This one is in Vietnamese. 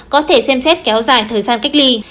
có thể xem xét kéo dài thời gian cách ly